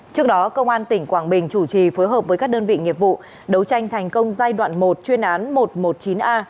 trước đó công an tỉnh quảng bình chủ trì phối hợp với các đơn vị nghiệp vụ đấu tranh thành công giai đoạn một chuyên án một trăm một mươi chín a